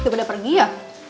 gak boleh pergi ya